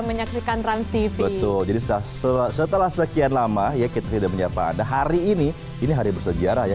menyaksikan trans tv setelah sekian lama ya kita sudah menyiapkan hari ini ini hari bersejarah ya